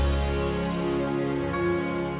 sampai jumpa lagi